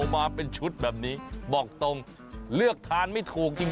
มาเป็นชุดแบบนี้บอกตรงเลือกทานไม่ถูกจริง